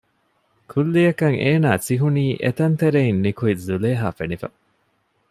ކުއްލިއަކަށް އޭނާ ސިހުނީ އެތަން ތެރެއިން ނިކުތް ޒުލޭހާ ފެނިފަ